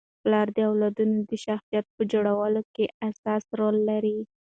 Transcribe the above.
پلار د اولادونو د شخصیت په جوړولو کي اساسي رول لري.